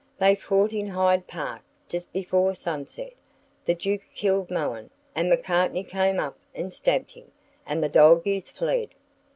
They fought in Hyde Park just before sunset; the Duke killed Mohun, and Macartney came up and stabbed him, and the dog is fled.